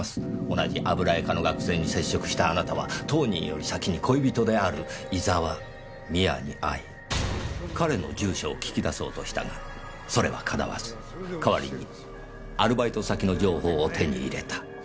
同じ油絵科の学生に接触したあなたは当人より先に恋人である井沢美亜に会い彼の住所を聞き出そうとしたがそれはかなわず代わりにアルバイト先の情報を手に入れた。